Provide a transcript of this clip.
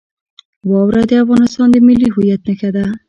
واوره د افغانستان د ملي هویت نښه ده.